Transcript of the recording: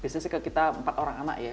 bisnisnya ke kita empat orang anak ya